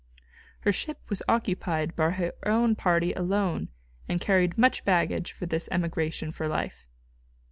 Her ship was occupied by her own party alone, and carried much baggage for this emigration for life.